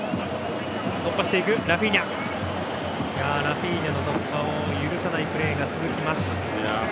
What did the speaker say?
ラフィーニャの突破を許さないプレーが続きます。